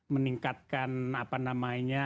meningkatkan apa namanya